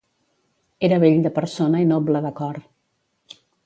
Era bell de persona i noble de cor.